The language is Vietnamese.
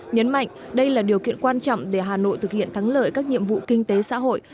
nhấn mạnh đây là điều kiện quan trọng để hà nội thực hiện thắng lợi các nhiệm vụ kinh tế xã hội